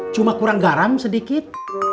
cuma kurang garam sedikit